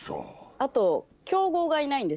あと。